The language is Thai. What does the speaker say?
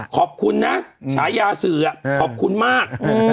ขอบคุณนะฉายาสื่อขอบคุณมาก